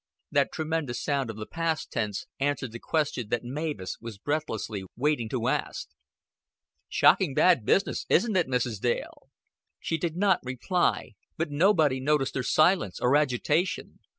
That tremendous sound of the past tense answered the question that Mavis was breathlessly waiting to ask. "Shocking bad business, isn't it, Mrs. Dale?" She did not reply; but nobody noticed her silence or agitation.